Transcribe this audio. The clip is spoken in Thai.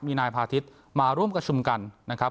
มีนายพาทิศมาร่วมประชุมกันนะครับ